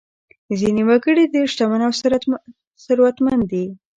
ځینې وګړي ډېر شتمن او ثروتمند دي.